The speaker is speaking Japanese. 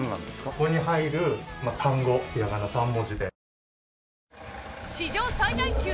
ここに入る単語ひらがな３文字で。